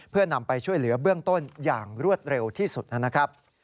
เพื่อนำไปช่วยเหลือเบื้องต้นอย่างรวดเร็วที่สุดนะครับ